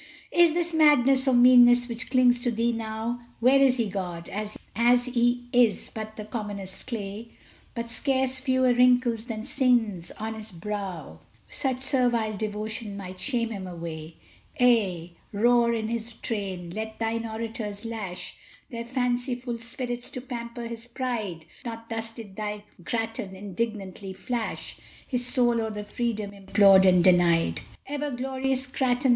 Is it madness or meanness which clings to thee now? Were he God as he is but the commonest clay, With scarce fewer wrinkles than sins on his brow Such servile devotion might shame him away. Ay, roar in his train! let thine orators lash Their fanciful spirits to pamper his pride; Not thus did thy Grattan indignantly flash His soul o'er the freedom implored and denied. Ever glorious Grattan!